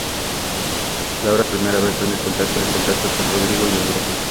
Laura logra por primera vez tener contacto con Rodrigo y el grupo.